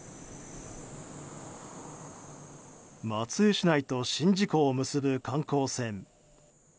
松江市内と宍道湖を結ぶ観光船。